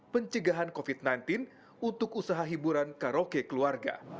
pencegahan covid sembilan belas untuk usaha hiburan karaoke keluarga